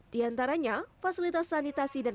di antaranya fasilitas sanitasi dan